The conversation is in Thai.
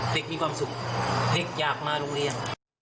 เด็กมีความสุขเด็กอยากมาโรงเรียน